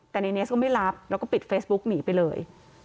แต่ในเนสก็ไม่รับแล้วก็ปิดเฟซบุ๊กหนีไปเลย